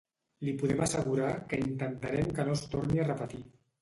Li podem assegurar que intentarem que no es torni a repetir.